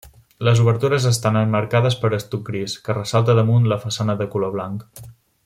Les obertures estan emmarcades per estuc gris, que ressalta damunt la façana de color blanc.